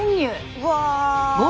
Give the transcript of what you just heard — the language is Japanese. うわ。